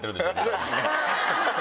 そうですね。